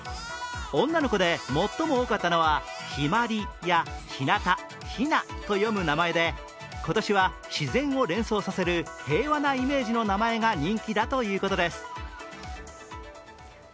女の子で最も多かったのは陽葵「ヒマリ」や「ヒナタ」「ヒナ」と読む名前で、今年は自然を連想させる平和なイメージの名前が人気だということです。